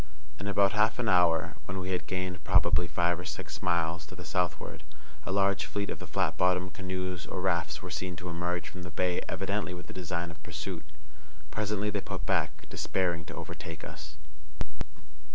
In about half an hour, when we had gained probably five or six miles to the southward, a large fleet of the flat bottomed canoes or rafts were seen to emerge from the bay evidently with the design of pursuit. Presently they put back, despairing to overtake us.